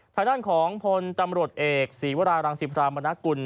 ฐานด้านของผลตำรวจเอกศีวรารังสิบภาพบรรณากุล